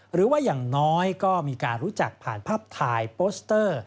หรือว่าอย่างน้อยก็มีการรู้จักผ่านภาพถ่ายโปสเตอร์